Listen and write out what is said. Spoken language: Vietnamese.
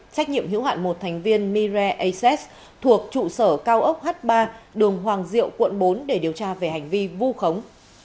trách nhiệm hữu hạn một thành viên mire aces thuộc trụ sở cao ốc h ba đường hoàng diệu quận bốn để điều tra về hành vi vu khống